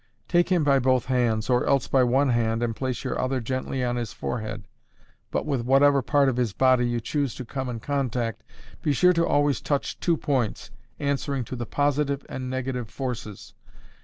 Take him by both hands, or else by one hand and place your other gently on his forehead. But with whatever part of his body you choose to come in contact, be sure to always touch two points, answering to the positive and negative forces.